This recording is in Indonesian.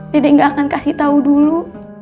dedeh nggak akan kasih tau dulu